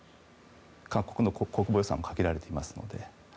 韓国の国防予算は限られていますので。